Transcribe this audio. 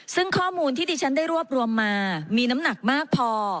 ซึ่งข้อมูลที่ดิฉันได้รวบรวมมามีน้ำหนักมากพอ